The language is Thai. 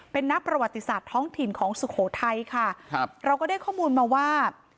เป็นนักประวัติศาสตร์ท้องถิ่นของสุโขทัยค่ะครับเราก็ได้ข้อมูลมาว่า